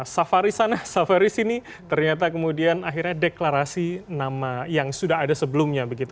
safari sana safaris ini ternyata kemudian akhirnya deklarasi nama yang sudah ada sebelumnya